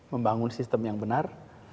membangun sistem yang benar